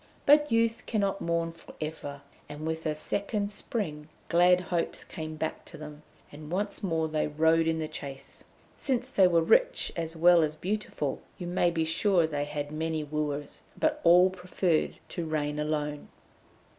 But youth cannot mourn for ever, and with a second spring, glad hopes came back to them, and once more they rode in the chase. Since they were rich as well as beautiful you may be sure they had many wooers, but all preferred to reign alone.